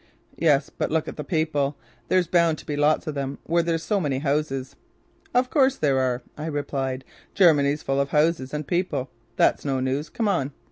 "Yes, but look at the people. There's bound to be lots of them where there's so many houses." "Of course there are," I replied: "Germany's full of houses and people. That's no news. Come on."